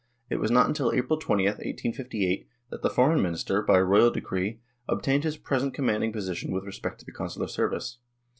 It was not until April 2Oth, 1858, that the Foreign Minister, by Royal decree, obtained his present commanding position with respect to the Consular service.